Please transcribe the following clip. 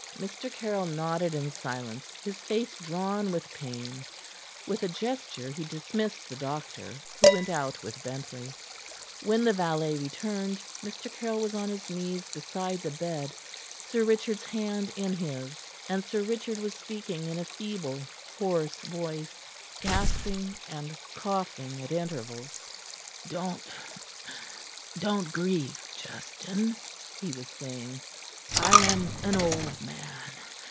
Mr. Caryll nodded in silence, his face drawn with pain. With a gesture he dismissed the doctor, who went out with Bentley. When the valet returned, Mr. Caryll was on his knees beside the bed, Sir Richard's hand in his, and Sir Richard was speaking in a feeble, hoarse voice gasping and coughing at intervals. "Don't don't grieve, Justin," he was saying. "I am an old man.